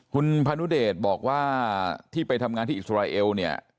คุณพนุเดชบอกว่าที่ไปทำงานที่อิสราเอลเนี่ย